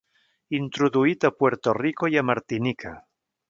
Introduït a Puerto Rico i a Martinica.